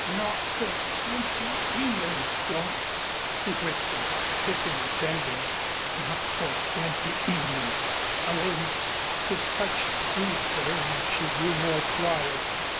Not for twenty Englands, Doris," he whispered, kissing her tenderly. "Not for twenty Englands, I wouldn't." His touch soothed her and she grew more quiet.